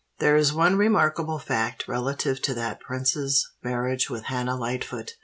There is one remarkable fact relative to that prince's marriage with Hannah Lightfoot.